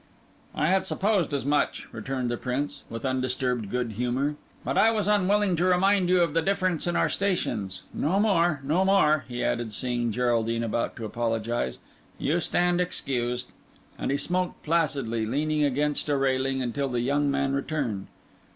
"I had supposed as much," returned the Prince, with undisturbed good humour; "but I was unwilling to remind you of the difference in our stations. No more—no more," he added, seeing Geraldine about to apologise, "you stand excused." And he smoked placidly, leaning against a railing, until the young man returned.